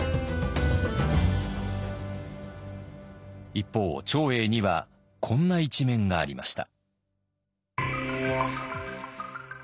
一方長英にはこんな一面がありました。